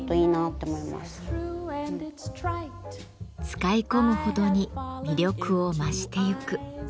使い込むほどに魅力を増してゆく。